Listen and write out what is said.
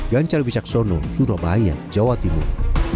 ganjar wijaksono surabaya jawa timur